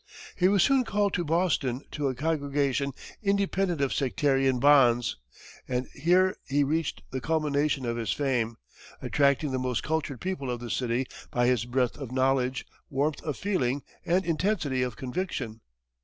He was soon called to Boston, to a congregation independent of sectarian bonds, and here he reached the culmination of his fame, attracting the most cultured people of the city by his breadth of knowledge, warmth of feeling and intensity of conviction.